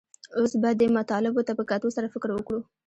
اوس به دې مطالبو ته په کتو سره فکر وکړو